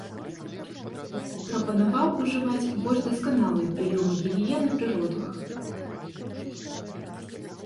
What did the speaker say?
Прапанаваў ужываць больш дасканалыя прыёмы гігіены пры родах.